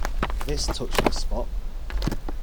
This touched the spot.